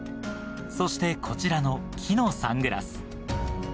そしてこちらの木のサングラス。